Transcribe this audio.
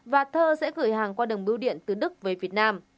và thơ sẽ gửi hàng qua đường bưu điện từ đức về việt nam